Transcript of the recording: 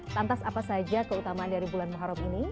lantas apa saja keutamaan dari bulan muharram ini